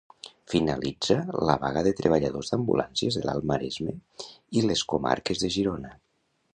Finalitza la vaga de treballadors d'ambulàncies de l'Alt Maresme i les comarques de Girona.